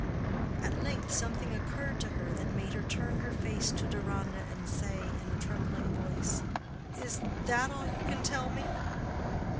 At length something occurred to her that made her turn her face to Deronda and say in a trembling voice, "Is that all you can tell me?"